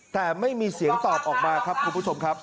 แต่ไม่มีเสียงตอบออกมาครับคุณผู้ชมครับ